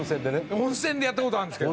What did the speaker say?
温泉でやった事あるんですけど。